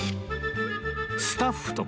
スタッフとか